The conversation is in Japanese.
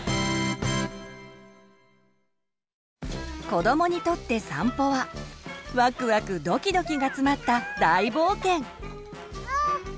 子どもにとって散歩はワクワク・ドキドキが詰まった大冒険。